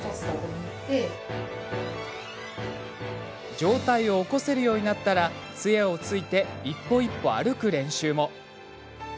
上体を起こせるようになったらつえをついて一歩一歩、歩く練習も。